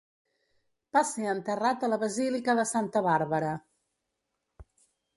Va ser enterrat a la basílica de Santa Bàrbara.